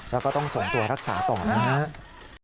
แล้วก็ต้องส่งตัวรักษาต่อนะครับ